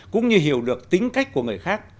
cũng như hiểu được tính cách của người khác